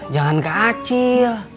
jangan ke acil